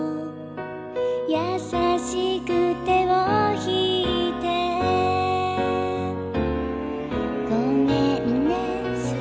「やさしく手をひいて」「ごめんね」